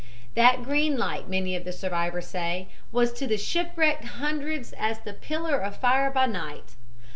"That green light, many of the survivors say, was to the shipwrecked hundreds as the pillar of fire by night.